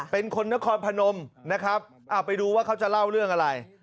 เป็นคนนครพนมนะครับเอาไปดูว่าเขาจะเล่าเรื่องอะไร